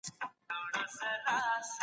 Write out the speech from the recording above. موږ د ټولني ستونزي درک کړې دي.